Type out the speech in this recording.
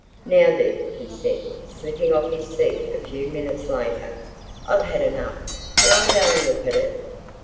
"Now, then," he said, slipping off his seat a few minutes later; "I've had enough. Can I go and look at it?"